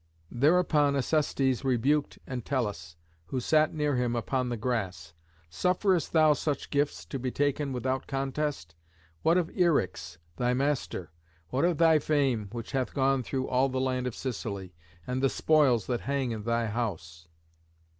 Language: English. Thereupon Acestes rebuked Entellus, who sat near him upon the grass: "Sufferest thou such gifts to be taken without contest? What of Eryx, thy master? What of thy fame, which hath gone through all the land of Sicily, and the spoils that hang in thy house?"